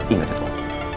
ingat ya tuan